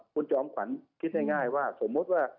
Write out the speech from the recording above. คุณจอมขวัญคิดง่ายว่าสมมุติว่า